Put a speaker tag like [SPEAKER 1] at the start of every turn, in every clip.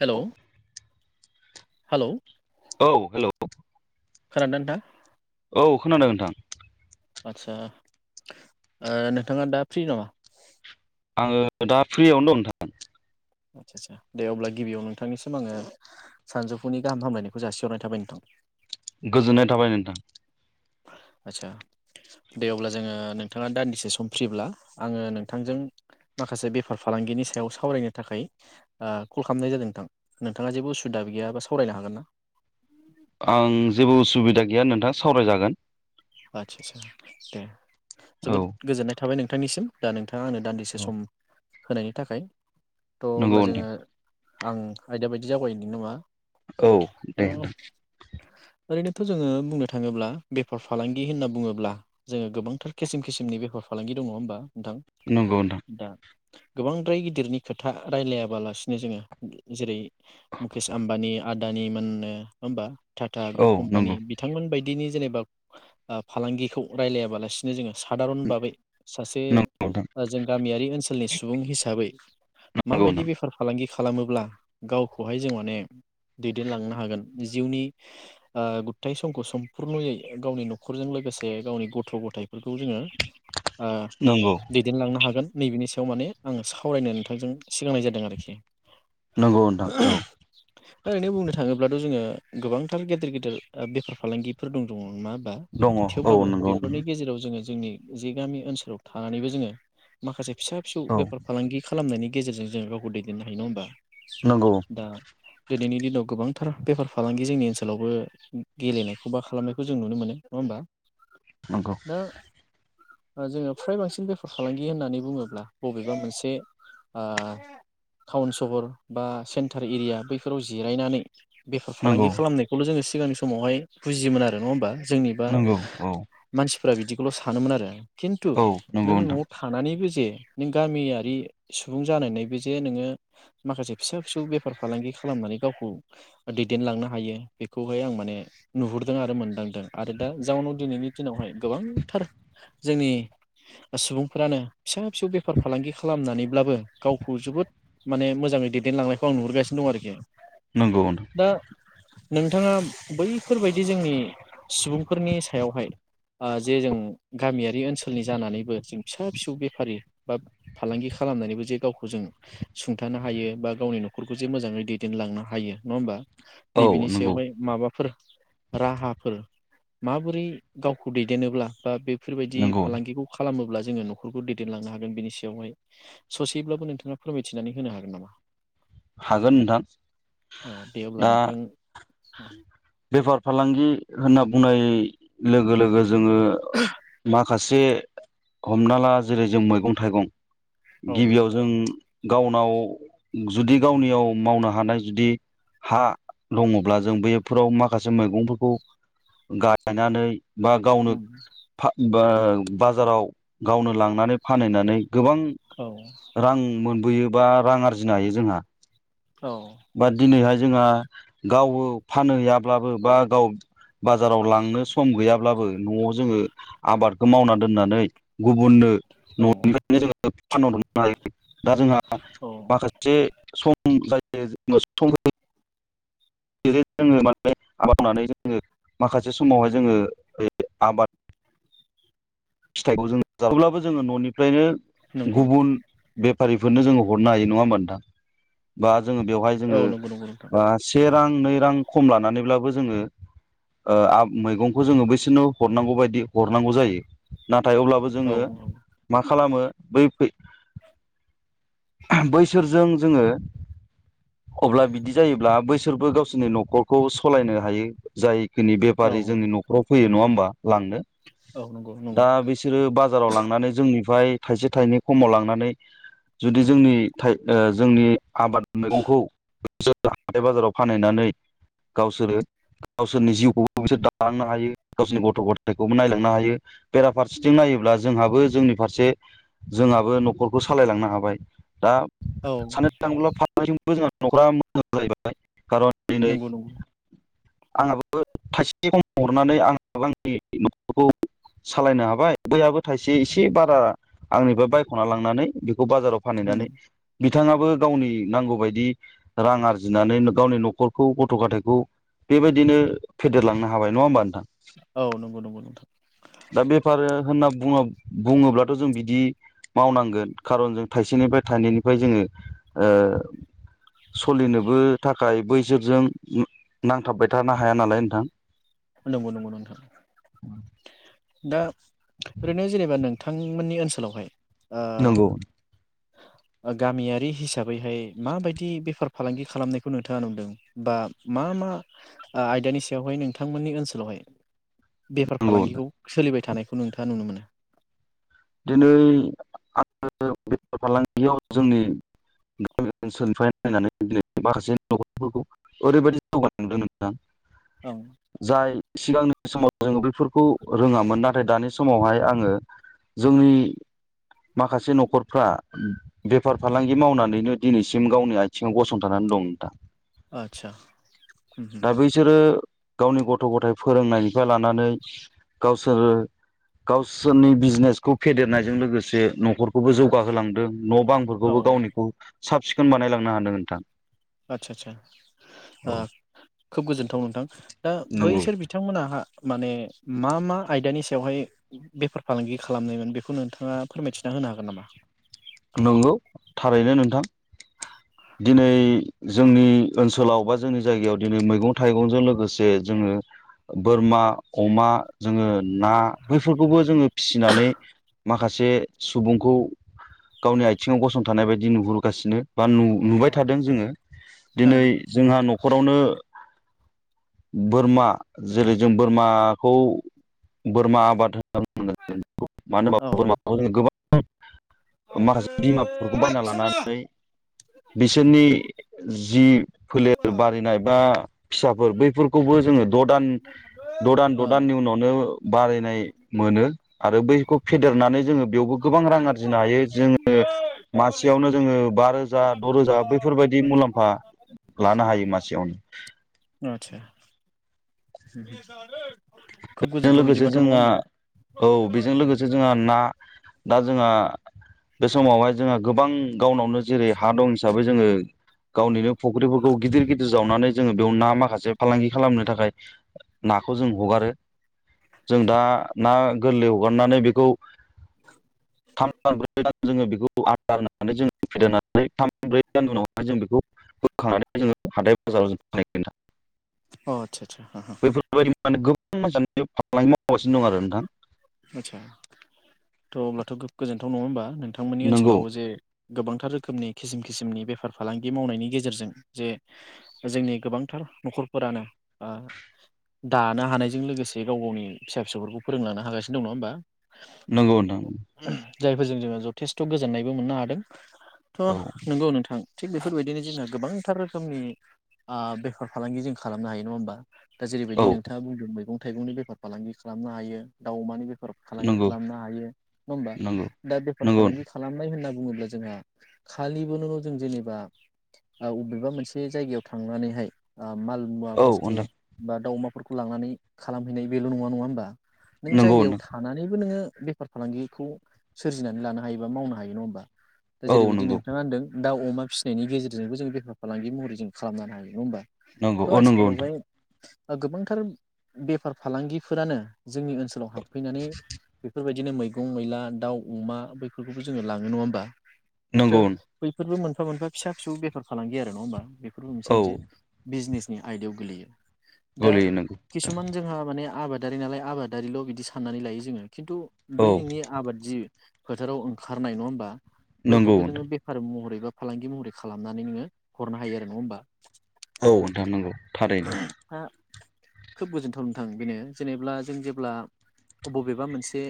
[SPEAKER 1] Hello
[SPEAKER 2] औ
[SPEAKER 1] hello
[SPEAKER 2] औ hello
[SPEAKER 1] खोनदोंना नोंथां?
[SPEAKER 2] औ खोनादों नोंथां।
[SPEAKER 1] आदसा ओ नोंथाङा दा फ्रि दङ?
[SPEAKER 2] आंङो दा फ्रियावनो दं नोंथां।
[SPEAKER 1] आदसा सा दे अब्ला गिबियाव नोंथांनिसिम आङो सानजौफुनि गाहाम हामलायनायखौ जासिहरनाय थाबाय नोंथां।
[SPEAKER 2] गोजोननाय थाबाय नोंथां।
[SPEAKER 1] आचसा दे अब्ला जोङो नोंथाङा दान्दिसे सम फ्रिब्ला आङो नोंथांजों माखासे बेफार फालांगिनि सायाव सावरायनो थाखाय ओ कल खालामनाय जादों नोंथां नोंथाङा जेबो उसुबिदा गैयााबा सावरायनो हागोन ना?
[SPEAKER 2] आं जेबो उसुबिदा गैया नोंथाङा सावरायजागोन।
[SPEAKER 1] आदसा सा दे।
[SPEAKER 2] औ
[SPEAKER 1] जोबोद गोजोननाय थाबाय नों थांनिम दा नोंथा थां आंनो दान्दिसे सम होनायनि थाखाय थ
[SPEAKER 2] नंगौ
[SPEAKER 1] अब्ला
[SPEAKER 2] नोंथां
[SPEAKER 1] जोङो आं आयदा बायदि जावगायनि नामा?
[SPEAKER 2] औ दे।
[SPEAKER 1] ओ ओरैनोथ' जोङो बुंनो थाङोब्ला बेफार फा फालांगि होनना बुङोब्ला जोङो गोबांथार खिसिम खिसिनि बेफार फालांगि दङ ओमबा? नोंथां
[SPEAKER 2] नंगौ नोंथां
[SPEAKER 1] दा गोबांद्राय गिदिरनि खोथा रायलायाबालासिनो जोङो जेरै मुकेश आम्बानि आदानि मोननो ओमबा टाटा ग्रुप
[SPEAKER 2] औ नंगौ
[SPEAKER 1] कम्पानि बिथांमोन बायद दिनि जेनेबाब ओ फालांगिखौ रायलायाबालासिनो जोङो सादारन बाबै सासे
[SPEAKER 2] नंगौ नोंथां
[SPEAKER 1] जों गामियारि ओनसोलनि सुबुं हिसाबै
[SPEAKER 2] नंगौ
[SPEAKER 1] माबायदि
[SPEAKER 2] नोंथां
[SPEAKER 1] बेफार फालांगि खालामोब्ला गावखौहाय जों माने दैदेनलांनो हागोन जिउनि ओ गुथाय समखौ समपुरनयै गावनि न'खरजों लोगोसे गावनि गथ' गथायफोरखौ जोङो ओ
[SPEAKER 2] नंगौ
[SPEAKER 1] दैदेनलांनो हागोन। नैबेनि सायाव माने आं सावरायनो नोंथांजों सिगांनाय जादों आरोखि।
[SPEAKER 2] नंगौ नोंथां औ
[SPEAKER 1] ओरैनो बुंनो थाङोब्लाथ' जोङो गोबांथार गेदेर गेदेर ओ बेफार फालांगिफोर दं। दङ मा? दा
[SPEAKER 2] दङ औ
[SPEAKER 1] थेवब्लाबो
[SPEAKER 2] नंगौ
[SPEAKER 1] बेफोरनि गेजेराव जोङो जोंनि जि गामि ओनसोलाव थानानैबो जोङो माखासे फिसा फिसौ
[SPEAKER 2] औ
[SPEAKER 1] बेफार फालांगि खालामनायनि गेजेरजों जों गावखौ दैदेननो नङा होनबा?
[SPEAKER 2] नंगौ
[SPEAKER 1] दा दिनैनि दिनाव गोबांथार बेफार फालांगि जोंनि ओनसोलावबो गेलेनायखौ बा खालामनाय खौ जों नुनो मोनो नङा होमबा?
[SPEAKER 2] नगौ
[SPEAKER 1] दा जोङो फ्राय बांसिन बेफार फालांगि होननानै बुङोब्ला बबेबा मोनसे ओ टाउन सहर बा सेन्टार एरिया बैफोराव जिरायनानै बेफार
[SPEAKER 2] नंगौ
[SPEAKER 1] फालांगि खालामनायखौल' जोङो सिगांनि समावहाय बुजियोमोन आरो नङा होमबा? जोंनिबा
[SPEAKER 2] नंगौ औ
[SPEAKER 1] मानसिफ्रा बिदि बेखौल' सोमोन आरो खिन्थु
[SPEAKER 2] औ
[SPEAKER 1] नों
[SPEAKER 2] नंगौ नोंथां
[SPEAKER 1] न'आव थानानैबो जे नों गामियारि सुबुं जानायानानै बे जे नोङो माखासे फिसा फिसौ बेफार फालांगि खालामनानै गावखौ दैदेनलांनो हायो बेखौहाय आं माने नुहुर दों आरो मोनदांदों आरो दा जाउनाव दिनैनि दिनावहाय गोबांथार जोंनि सुबुंफ्रानो फिसा फिसौ बेफार फालांगि खालामनानै ब्लाबो गावखौ जोबोद माने मोजाङै दैदेनलांनायखौ आं नुहुरगासिनो दं आरोखि
[SPEAKER 2] नोंगौ ओनथां
[SPEAKER 1] दा नोंथाङा बैफोरबाय दि जोंनि सुबुंफोरनि सायावहाय जे जों गामियारि ओनसोलनि जानानैबो जों फिसा फिसौ बेफारि बा फालांगि खालामनानैबो जे गावखौ जों सुंथानो हायो बा गावनि न'खरखौ जे मोजाङै दैदेनलांनो हायो नङा होमबा
[SPEAKER 2] नोंथां औ
[SPEAKER 1] नैबेनि
[SPEAKER 2] नंगौ
[SPEAKER 1] सायावहाय माबाफोर राहाफोर माबोरै गावखौ दैदेनोनोब्ला बा बे बेफोरबायदि
[SPEAKER 2] नंगौ
[SPEAKER 1] फालांगिखौ खालामोब्ला जोङो न'खरखौ दैदेनलांनो हागोन बेनि सायावहाय ससेब्लाबो नोंथाङा फोरमायथिनानै होनो हागोन नामा
[SPEAKER 2] हागोन
[SPEAKER 1] अ दे
[SPEAKER 2] नोंथां
[SPEAKER 1] अब्ला
[SPEAKER 2] दा
[SPEAKER 1] नोंथां [inaudible]
[SPEAKER 2] बेफार फालांगि होनना बुंनाय लोगो लोगो जोङो मा खासे हमना ला जेरै जों मैगं थाइगं
[SPEAKER 1] औ
[SPEAKER 2] गिबियाव जों गावनाव जुदि गावनियाव मावनो हानाय जुदि हा दङब्ला जों बे फोराव माखासे मैगंफोरखौ गायनानै बा गावनो
[SPEAKER 1] उम
[SPEAKER 2] बा बा बाजाराव गावनो लांनानै फानहैनानै गोबां
[SPEAKER 1] औ
[SPEAKER 2] रां मोन बोयोबा रां आरजिनो हायो जोंहा।
[SPEAKER 1] औ।
[SPEAKER 2] बाट दिनैहाय जोंहा गावो फानहैयाब्लाबो बा गाव बाजाराव लांनो सम गैयाब्लाबो न'आव जोङो आबादखौ मावना दोननानै गुबुननो
[SPEAKER 1] औ
[SPEAKER 2] न'निफायनो जोङो फानहरनो हायो। दा जोंहा
[SPEAKER 1] औ
[SPEAKER 2] माखासे सम [unintelligible] सम [unintelligible] जोङो माने आबाद मावनानै जोङो माखासे समावहाय जोङो आबाद फिथाइखौ जों [unintelligible] थेवब्लाबो जोङो न'निफ्रायनो
[SPEAKER 1] नंगौ
[SPEAKER 2] गुबुन बेफारिफोरनो जोङो हरनो हायो नङा होमबा नोंथां? बा जोङो बेवहाय
[SPEAKER 1] औ
[SPEAKER 2] जोंङो
[SPEAKER 1] नंगौ नंगौ नोंथां
[SPEAKER 2] ओ से रां नै रां खम लानानैब्लाबो जोङो ओ आब मैगंखौ जोङो बैसोरनो हरनांगौ बायदि हरनांगौ जायो। थाय अब्लाबो
[SPEAKER 1] औ
[SPEAKER 2] जोङो मा खालामो बै फै बैसोरजों जोङो अब्ला बिदि जायोब्ला बैसोरबो गावसोरनि न'खरखौ सालायनो हायो जाय खिनि
[SPEAKER 1] औ
[SPEAKER 2] बेपारि जोंनि न'खराव फैयो। नङा होमबा? लांनो
[SPEAKER 1] औ नंगौ नंगौ
[SPEAKER 2] दा बिसोरो बाजाराव लांनानै जोंनिफाय थाइसे थाइनै खमाव लांनानै जुदि जोंनि थाय ओ जोंनि आबाद मेगंखौ बिसोर हाथाय बाजाराव फानहैनानै गावसोरो गावसोरनि जिउखौबो बिसोर दालांनो हायो गावसोरनि गथ' गथायखौ नायलांनो हायो बेरा फारसेथिं नायोब्ला जोंहाबो जोंनि फारसे जोंहाबो न'खरखौ सालायलांनो हा बाय दा
[SPEAKER 1] औ
[SPEAKER 2] [unintelligible] [unintelligible] दिनै
[SPEAKER 1] नंगौ नंगौ।
[SPEAKER 2] आंहाबो थाइसे खम हरनानै आंहाबो आंनि न'खरखौ सालायनो हाबाय बैहाबो थाइसे एसे बारा आंनिफ्राय बायख'ना लांनानै बेखौ बाजाराव
[SPEAKER 1] उम
[SPEAKER 2] फानहैनानै बिथाङाबो गावनि नांगौबायदि रां आरजिनानै गावनि न'खरखौ गथ' गाथाइखौ बेबायदिनो फेदेरलांनो हाबाय नङा होमबा नोंथां?
[SPEAKER 1] औ नंगौ नंगौ नोंथां।
[SPEAKER 2] दा बेफार होनना बुङा बुङोब्लाथ' जों बिदि मावनांगोन कार'न जों थाइसेनिफ्राय थाइनैनिफ्राय जोङो ओ सलिनोबो थाखाय बै जोरजों उम नांथाबबाय थानो हाया नालाय नोंथां।
[SPEAKER 1] नंगौ नंगौ नोंथां। दा ओरैनो जेनेबा नोंथांमोननि ओनसोलावहाय ओ
[SPEAKER 2] नंगौ।
[SPEAKER 1] ओ गामियारि हिसाबैहाय माबायदि बेफार फालांगि खालामनायखौ नोंथाङा नुदों बा मा मा आयदानि सायावहाय नों थांमोननि ओनसोलावहाय बेफार
[SPEAKER 2] नंगौ नोंथां।
[SPEAKER 1] फालांगिखौ सोलिबाय थानाय खौ नोंथाङा नुनो मोनो?
[SPEAKER 2] आङो बेफार फालांगियाव जोंनि गामि ओनसोलनिफ्राय नायनानै दिनै माखासे नखरफोरखौ ओरैबायदि जौगानाय नुदों नोंथां।
[SPEAKER 1] औ
[SPEAKER 2] जाय सिगांनि समाव जोङो बेफोरखौ रोङामोन नाथाय दानि समावहाय आङो जोंनि माखासे नखरफ्रा बेफार फालांगि थाखाय दिनैसिम गावनि आथिङाव गसंथानानै दं दा।
[SPEAKER 1] आच्छा उम उम।
[SPEAKER 2] बैसोरो गावनि गथ गथाइ फोरोंनायनिफाय लानानै गावसोरो गावसोरनि बिजनेस खौ फेदेरनायजों लोगोसे नखरखौबो जौगाहोलांदों न
[SPEAKER 1] औ
[SPEAKER 2] बांफोरखौबो गावनिखौ साब सिखोन बानायलांनो हादों नोंथां।
[SPEAKER 1] आच्छा आच्छा ओ
[SPEAKER 2] औ
[SPEAKER 1] खोब गोजोनथाव नोंथां, दा बैसोर बिथांमोनहा माने मा मा आयदानि सायावहाय बेफार फालांगि खालामनायमोन बेखौ नोंथाङा फोरमायथिना होनो हागोन नामा?
[SPEAKER 2] नंगौ थारैनो नोंथां। दिनै जोंनि ओनसोलाव बा जोंनि जायगायाव दिनै मैगं थाइगंजों लोगोसे जोङो बोरमा अमा जोङो ना बैफोरखौबो जोङो फिसिनानै माखासे सुबुंखौ गावनि आथिङाव गसंथानाय बायदि नुहुरगासिनो। बा नु
[SPEAKER 1] औ
[SPEAKER 2] नुबाय थादों जोङो, दिनै
[SPEAKER 1] ओं
[SPEAKER 2] जोंहा न नखरावनो बोरमा जेरै जों बोरमाखौ बोरमा आबाद होना बुंदों मानो
[SPEAKER 1] औ
[SPEAKER 2] होनबा बोरमाखौ जों गोबां [unintelligible] माखासे बिमाफोरखौ बायना लानानै बिसोरनि जि फोलेर बारायनाय बा फिसाफोर बैफोरखौबो जोङो द दान द दान द
[SPEAKER 1] औ
[SPEAKER 2] दाननि उनावनो बारायनाय मोनो आरो बैखौ फेदेरनानै जोङो बेयावबो गोबां रां आरजिनो हायो। जोङो मासेयावनो जोङो बा रोजा द रोजा बैफोरबायाददि मुलाम्फा लानो हायो मासेयावनो।
[SPEAKER 1] बि जानो
[SPEAKER 2] बेजों लोगोसे जोंहा, औ बेजों लोगोसे जोंहा ना दा जोंहा बे समावहाय जोंहा गोबां गावनावनो जेरै हा दं हिसाबै जोङो गावनिनो फुख्रिफोरखौ गिदिर गिदिर जावनानै जोङो बेयाव ना माखासे फालांगि खालामनो थाखाय नाखौ जों हगारो। जों दा ना गोरलै हगारनानै बेखौ थाम [unintelligible] ब्रै दान जोङो बेखौ आदारनानै जों फेदेरनानै थाम ब्रै दान उनावहाय जों बेखौ बोखांनानै जोङो हाथाइ बाजाराव जों [unintelligible]
[SPEAKER 1] अ आदसा सा हाहा हा
[SPEAKER 2] [unintelligible] बे फालांगि मावगासिनो दं आरो नोंथां
[SPEAKER 1] आतसा त' अब्लाथ' गोजोनथाव नङा होमबा नों नोंथांमोननि
[SPEAKER 2] नंगौ
[SPEAKER 1] ओनसोलावबो जे गोबांथार रोखोमनि खिसिम खिसिमनि बेफार फालांगि मावनायनि गेजेरजों जे जोंनि गोबांथार न'खरफोरानो ओ दानो हानायजों लोगोसे गाव गावनि फिसा फिसौफोरखौ फोरोंलांनो हागासिनो। दं नङा होमबा।
[SPEAKER 2] नंगौ नोंथां।
[SPEAKER 1] जायफोरजों जोङो जथेस्थ' गोजोननायबो मोननो हादों।
[SPEAKER 2] औ
[SPEAKER 1] थ' नंगौ नोंथां। थिग बेफोरबायदिनो जोंहा गोबांथार रोखोमनि बेफार आ फालांगि जों खालामनो हायो। नङा होमबा? दा
[SPEAKER 2] औ
[SPEAKER 1] जेरैबायदि नोंथाङा बुंदों मैगं थाइगंनि बेफार फालांगि खालामनो हायो। दाउ अमानि बे फार फालांगि
[SPEAKER 2] नंगौ
[SPEAKER 1] खालामनो हायो। नङा होमबा?
[SPEAKER 2] नंगौ
[SPEAKER 1] दा बेफार
[SPEAKER 2] नंगौ
[SPEAKER 1] फालांगि खालामनाय होनना बुङोब्ला जोंहा खालिबोनोल' जों जेनेबा अबेबा मोनसे जायगायाव थांनानैहाय ओ माल मुवा
[SPEAKER 2] औ
[SPEAKER 1] बुस्थु
[SPEAKER 2] नोंथां
[SPEAKER 1] बा दाउ अमा फोरखौ लांनानै खालामहैनाय बेल' नङा नङा होनबा नों
[SPEAKER 2] नंगौ
[SPEAKER 1] जायगायाव थानानैबो नोङो बेफार फालांगिखौ सोरजिनानै लानो हायोबा मावनो हायो नङा होमबा। दा
[SPEAKER 2] नोंथां औ
[SPEAKER 1] जेरैबायदि
[SPEAKER 2] नंगौ
[SPEAKER 1] नोंथाङा होनदों दाउ अमा फिसिनायनि गेजेरजोंबो जोङो बेफार फालांगि महरै जों खालामनो हायो। नङा होनबा?
[SPEAKER 2] नंगौ अ नंगौ नोंथां।
[SPEAKER 1] गोबांथार बेफार फालांगिफोरानो जोंनि ओनसो [unintelligible] फैनानै बेफोरबाय बिदिनो मैगं मैला दाउ अमा बैफोरखौबो जोङो लाङो। नङा होमबा?
[SPEAKER 2] नंगौ
[SPEAKER 1] [unintelligible] बैफोरबो मोन फा मोनफा फिसा बेफार फालांगि आरो नङा होमबा? बेफोरबो मोनसे
[SPEAKER 2] औ
[SPEAKER 1] मोनसे बिजनेस। नि आयदायाव गोलैयो। दा
[SPEAKER 2] गोलैयो नंगौ नोंथां
[SPEAKER 1] किसुमान जोंहा माने आबाद आबादारि नालाय आबाद आबादारिल' बिदि साननानै लायो जोङो। खिन्थु बै
[SPEAKER 2] औ
[SPEAKER 1] नोंनि आबाद जि फोथाराव ओंखारनाय नङा होमबा।
[SPEAKER 2] नंगौ
[SPEAKER 1] बयखौबो नोङो
[SPEAKER 2] नोंथां
[SPEAKER 1] बेफार महरैबो फालांगि महरै खालामनानै नोङो हरनो हायो आरो नङा होमबा।
[SPEAKER 2] औ नोंथां नंगौ थारैनो।
[SPEAKER 1] दा खोब गोजोन्थाव नोंथां बेनो जेनेब्ला जों जे ब्ला बबेबा मोनसे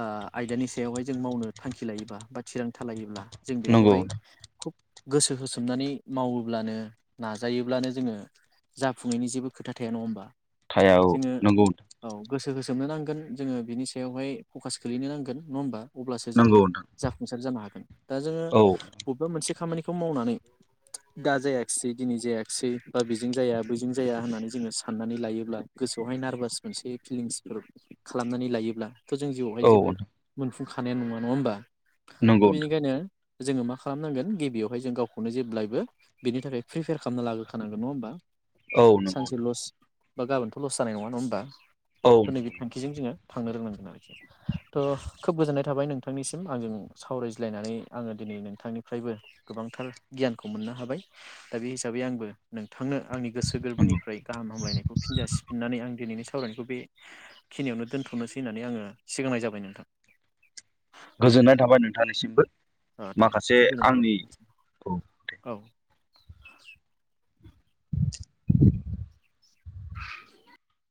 [SPEAKER 1] ओ आयदानि सायाव जों मावनो थांखि लायोबा बा थिरांथा लायोब्ला जों
[SPEAKER 2] नंगौ
[SPEAKER 1] बेखौहाय खुब गोसो होसोमनानै मावोब्लानो नाजायोब्लानो जोङो जाफुङैनि जेबो खोथा थाया नङा होमबा।
[SPEAKER 2] थाया औ
[SPEAKER 1] जोङो
[SPEAKER 2] नंगौ।
[SPEAKER 1] औ गोसो होसोमनो नांगोन जोङो बिनि सायावहाय फकास गोलैनो नांगोन नङा होमबा। अब्लासो जोङो
[SPEAKER 2] नंगौ नोंथां
[SPEAKER 1] जाफुंसार जानो हागोन। दा जोङो
[SPEAKER 2] औ
[SPEAKER 1] बबेबा मोनसे खामानि बेखौ मावनानै दा जायाखिसै दिनै जायाखिसै बा बिजों जाया बैजों जाया होननानै जोङो साननानै लायोब्ला गोसोआवहाय नारभास मोनसे फिलिंचफोर खालामनानै लायोब्ला थ' जों जिउवावहाय
[SPEAKER 2] औ
[SPEAKER 1] जेबो
[SPEAKER 2] नोंथां
[SPEAKER 1] मोन फुंखानायानो नङा होमबा?
[SPEAKER 2] नंगौ
[SPEAKER 1] थ'
[SPEAKER 2] नोंथां
[SPEAKER 1] बिनिखायनो जोङो मा खालामनांगोन गिबियावहाय जों गावखौनो जेब्लायबो बिनि थाखाय फ्रिफेयार खालामना लाग्रोखानांगोन नङा होमबा।
[SPEAKER 2] औ नंगौ
[SPEAKER 1] सानसे
[SPEAKER 2] नोंथां
[SPEAKER 1] लस बा गाबोनथ' लस जानाय नङा होमबा।
[SPEAKER 2] औ
[SPEAKER 1] थ' नैबे
[SPEAKER 2] नंगौ नंगौ
[SPEAKER 1] थांखिजों जोङो थांनो रोंनांगोन आरोखि थ' खोब गोजोननाय थाबाय नोंथांनिसिम आंजों सावरायज्लायनानै आङो दिनै नोंथांनिफ्रायबो गोबांथार गियानखौ मोननो हाबाय दा बे हिसाबै आंबो नों थांनो आंनि गोसो
[SPEAKER 2] नंगौ
[SPEAKER 1] गोरबोनिफ्राय गाहाम हामलायनायखौ फिनजासिफिननानै आं दिनैनि सावरायनायखौ बे खिनियावनो दोनथ'नोसै होननानै आङो सिगांनाय जाबाय नोंथां।
[SPEAKER 2] गोजोननाय थाबाय नोंथांनिसिमबो।
[SPEAKER 1] ओ दे
[SPEAKER 2] माखासे
[SPEAKER 1] खोब गोजोनाय थाबाय
[SPEAKER 2] आंनि
[SPEAKER 1] नोंथांनिसिम
[SPEAKER 2] औ
[SPEAKER 1] औ। [inaudible]
[SPEAKER 2] [inaudible]
[SPEAKER 1] [inaudible]